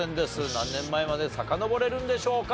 何年前までさかのぼれるんでしょうか？